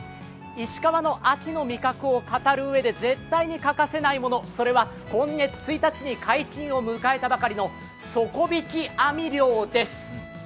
石川の秋の味覚を語るうえで絶対に欠かせないもの、それは今月１日に解禁を迎えたばかりの底引き網漁です。